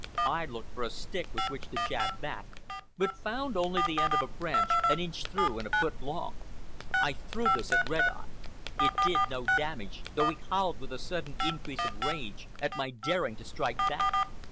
I looked for a stick with which to jab back, but found only the end of a branch, an inch through and a foot long. I threw this at Red Eye. It did no damage, though he howled with a sudden increase of rage at my daring to strike back.